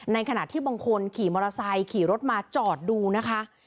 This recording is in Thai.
ในขณะที่บางคนขี่มอเตอร์ไซค์ขี่รถมาจอดดูนะคะ